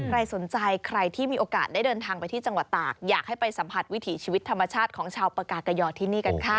ใครสนใจใครที่มีโอกาสได้เดินทางไปที่จังหวัดตากอยากให้ไปสัมผัสวิถีชีวิตธรรมชาติของชาวปากากยอที่นี่กันค่ะ